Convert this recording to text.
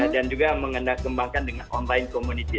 dan juga mengendalikan kembangkan dengan online community